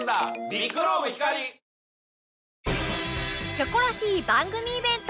『キョコロヒー』番組イベント